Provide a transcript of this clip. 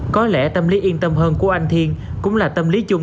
có lẽ tâm lý yên tâm hơn của anh thiên cũng là tâm lý chung